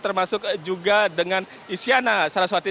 termasuk juga dengan isyana saraswati